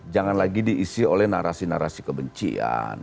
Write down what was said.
jangan lagi diisi oleh narasi narasi kebencian